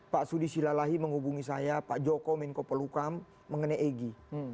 pak sudi silalahi menghubungi saya pak joko menko pelukam mengenai egy